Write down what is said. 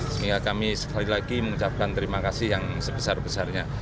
sehingga kami sekali lagi mengucapkan terima kasih yang sebesar besarnya